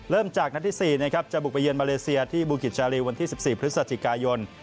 จากนัดที่๔นะครับจะบุกไปเยือนมาเลเซียที่บูกิจชาลีวันที่๑๔พฤศจิกายน